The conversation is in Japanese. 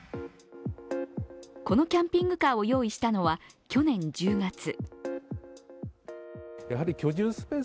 このキャンピングカーを用意したのは去年１０月。